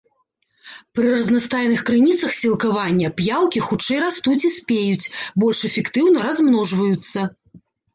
Пры разнастайных крыніцах сілкавання п'яўкі хутчэй растуць і спеюць, больш эфектыўна размножваюцца.